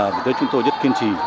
với chúng tôi rất kiên trì